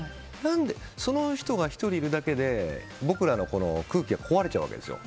その人が１人いるだけで僕らの空気が壊れちゃうわけですよ。